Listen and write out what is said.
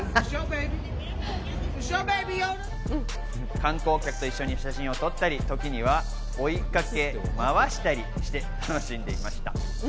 観光客と一緒に写真を撮ったり時には追いかけまわしたりして楽しんでいました。